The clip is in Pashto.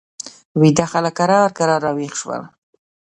ویده خلک کرار کرار را ویښ شول.